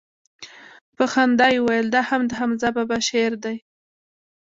په خندا يې وويل دا هم دحمزه بابا شعر دىه.